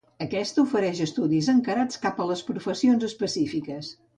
Aquesta, ofereix estudis encarats cap a professions específiques.